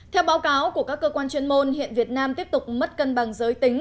theo báo cáo của các cơ quan chuyên môn hiện việt nam tiếp tục mất cân bằng giới tính